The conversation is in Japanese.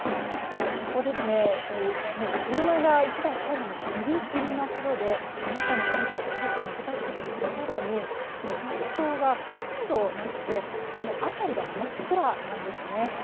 ここ、もう車が１台入るのがギリギリなほどで中に入ることがすごく難しくて更に街灯がほとんどなくて辺りが真っ暗なんです。